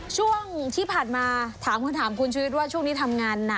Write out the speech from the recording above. ช่วงที่ผ่านมาถามคำถามคุณชีวิตว่าช่วงนี้ทำงานหนัก